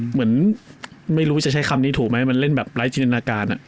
เหมือนไม่รู้จะใช้คำนี้ถูกไหมมันเล่นแบบไร้จินตนาการ